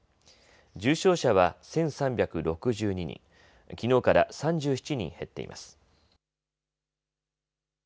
重症者は１３６２人、きのうから３７人減っています。